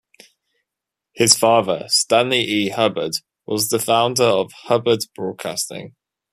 His father, Stanley E. Hubbard, was the founder of Hubbard Broadcasting.